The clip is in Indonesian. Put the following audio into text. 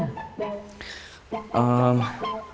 kamu ngelamar dimana